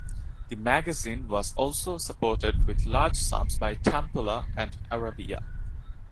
The magazine was also supported with large sums by Tampella and Arabia.